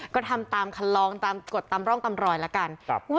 ก็ทำตามคันลองตามกฎตามร่องตามรอยละกัน